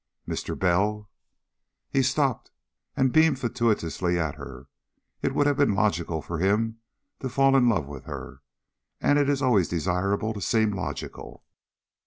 "Mr. Bell." He stopped and beamed fatuously at her. It would have been logical for him to fall in love with her, and it is always desirable to seem logical.